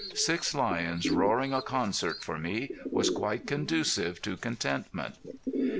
Six lions roaring a concert for me was quite conducive to contentment.